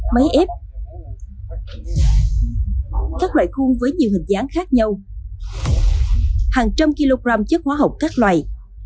máy ép các loại khuôn với nhiều hình dáng khác nhau hàng trăm kg chất hóa học các loại